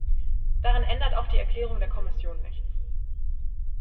Daran ändert auch die Erklärung der Kommission nichts.